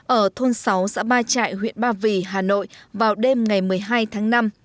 ở thôn sáu xã ba trại huyện ba vì hà nội vào đêm ngày một mươi hai tháng năm